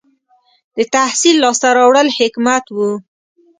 • د تحصیل لاسته راوړل حکمت و.